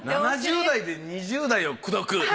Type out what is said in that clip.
７０代で２０代を口説く。